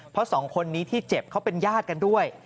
เพราะสองคนนี้ที่เจ็บเขาเป็นญาติกันด้วย